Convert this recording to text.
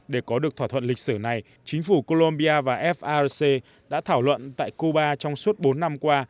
để có được thỏa thuận lịch sử này chính phủ colombia và farc đã thảo luận tại cuba trong suốt bốn năm qua